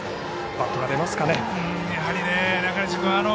バットが出ますかね。